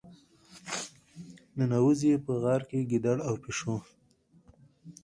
ننوزي یې په غار کې ګیدړ او پيشو.